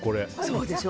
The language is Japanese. そうでしょ。